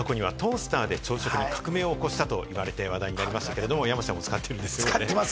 過去にはトースターで朝食に革命を起こしたと言われて話題になりましたけれども、山ちゃんも使ってるんですよね。